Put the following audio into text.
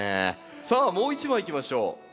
さあもう一枚いきましょう。